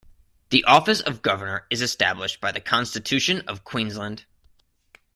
The office of Governor is established by the Constitution of Queensland.